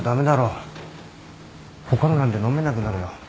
他のなんて飲めなくなるよ。